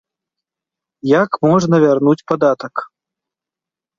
Як можна вярнуць падатак?